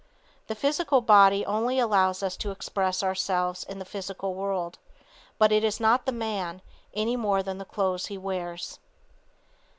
The physical body only allows us to express ourselves in the physical world, but it is not the man, any more than the clothes he wears.